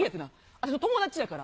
私の友達やから。